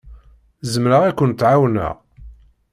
Zemreɣ ad kent-ɛawneɣ?